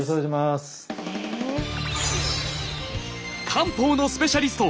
漢方のスペシャリスト！